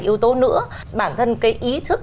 yếu tố nữa bản thân cái ý thức